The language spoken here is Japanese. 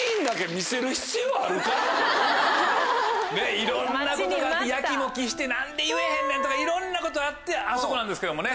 いろんなことがあってやきもきして何で言えへんねんとかいろんなことあってあそこなんですけどもね。